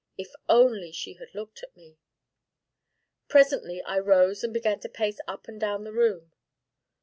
If only she had looked at me! Presently I rose and began to pace up and down the room.